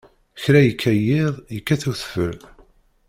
Kra yekka yiḍ, yekkat udfel.